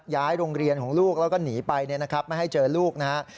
ย้ายโรงเรียนของลูกแล้วก็หนีไปเนี่ยนะครับไม่ให้เจอลูกนะครับ